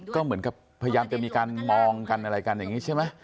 ก็เหมือนกับพยายามจะมีการมองกันอะไรกันอย่างนี้ใช่ไหม